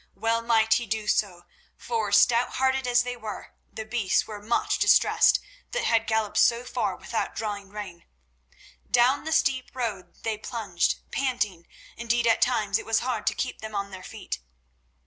Well might he do so, for, stout hearted as they were, the beasts were much distressed that had galloped so far without drawing rein. Down the steep road they plunged, panting; indeed at times it was hard to keep them on their feet.